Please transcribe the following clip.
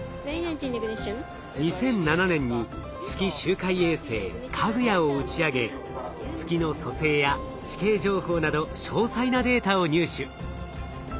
２００７年に月周回衛星「かぐや」を打ち上げ月の組成や地形情報など詳細なデータを入手。